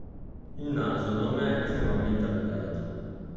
Il naso non è estremamente allungato.